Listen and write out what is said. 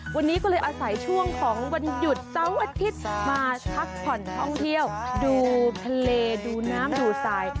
วันนี้ก็เลยอาศัยช่วงของวันหยุดเสาร์อาทิตย์มาพักผ่อนท่องเที่ยวดูทะเลดูน้ำดูทราย